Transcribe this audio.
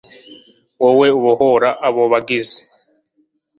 wowe ubohora abo bangizi